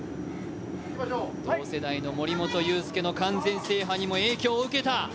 同世代の森本裕介の完全制覇にも影響を受けた。